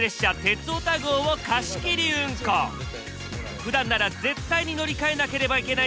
ふだんなら絶対に乗り換えなければいけない